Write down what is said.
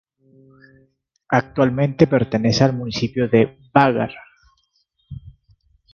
Actualmente pertenece al municipio de Vágar.